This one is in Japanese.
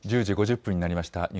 １０時５０分になりました。